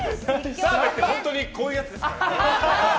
澤部って本当にこういうやつですからね。